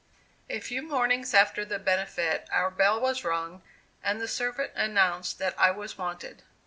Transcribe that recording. A few mornings after the benefit our bell was rung, and the servant announced that I was wanted.